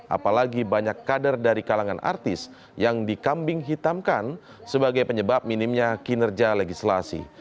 apalagi banyak kader dari kalangan artis yang dikambing hitamkan sebagai penyebab minimnya kinerja legislasi